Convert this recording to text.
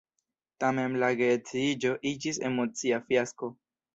Tamen la geedziĝo iĝis emocia fiasko.